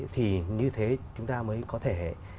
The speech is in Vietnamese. thì như thế chúng ta mới có thể